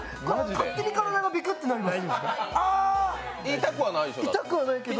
勝手に体がびくっとなります。